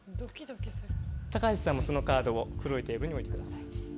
橋さんもそのカードを黒いテーブルに置いてください。